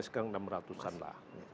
sekarang enam ratus an lah